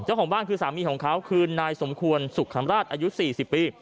เจ้าของบ้านคือสามีของเขาคือนายสมควรสุขำราชอายุ๔๐ปี